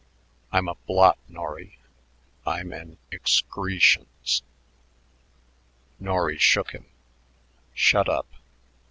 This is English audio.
I'm a blot, Norry; I'm an ex cree shence." Norry shook him. "Shut up.